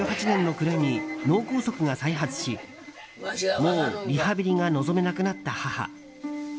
２０１８年の暮れに脳梗塞が再発しもうリハビリが望めなくなった母。